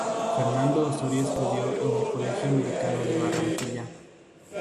Fernando Osorio estudió en el Colegio Americano de Barranquilla.